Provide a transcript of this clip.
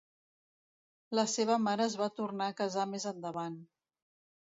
La seva mare es va tornar a casar més endavant.